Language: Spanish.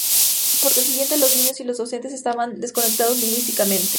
Por consiguiente, los niños y los docentes estaban desconectados lingüísticamente.